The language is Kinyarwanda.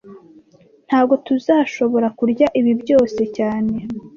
Ntago tuzashobora kurya ibi byose cyane